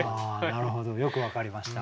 なるほどよく分かりました。